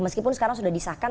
meskipun sekarang sudah disahkan